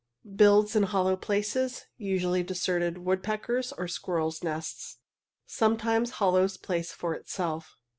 Builds in hollow places usually deserted woodpeckers' or squirrels' nests sometimes hollows place for itself.